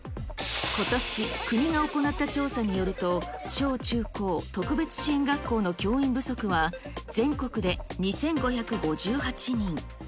ことし、国が行った調査によると、小中高、特別支援学校の教員不足は、全国で２５５８人。